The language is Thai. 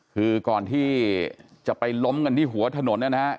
คือก่อนที่จะไปล้มกันที่หัวถนนนะครับ